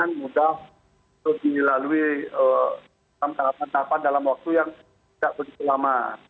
dan juga tidak akan mudah dilalui dalam tahapan tahapan dalam waktu yang tidak berkelama